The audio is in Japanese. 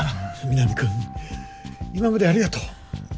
南君今までありがとう！